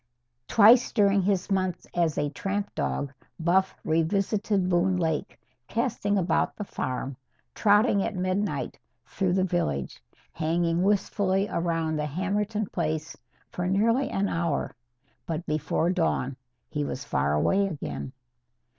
Twice during his months as a tramp dog, Buff revisited Boone Lake casting about the farm, trotting at midnight through the village, hanging wistfully around the Hammerton place for nearly an hour. But before dawn he was far away again.